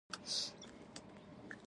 تنور د اوږدو کارونو پایله ښکاره کوي